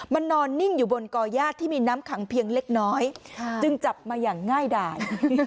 มันนอนนิ่งอยู่บนก่อย่าที่มีน้ำขังเพียงเล็กน้อยจึงจับมาอย่างง่ายดาย